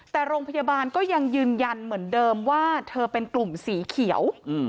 แต่โรงพยาบาลก็ยังยืนยันเหมือนเดิมว่าเธอเป็นกลุ่มสีเขียว